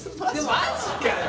マジかよ！